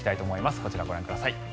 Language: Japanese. こちら、ご覧ください。